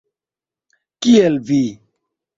- Kiel vi?